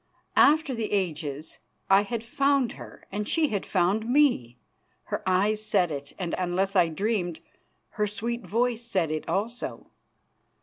After the ages I had found her and she had found me. Her eyes said it, and, unless I dreamed, her sweet voice said it also.